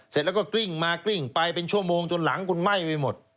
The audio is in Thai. เสร็จแล้วก็กลิ้งมากลิ้งไปเป็นชั่วโมงจนหลังคุณไหม้ไปหมด